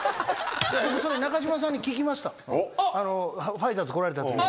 ファイターズ来られたときに。